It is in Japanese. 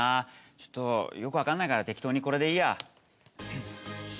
ちょっとよくわからないから適当にこれでいいや。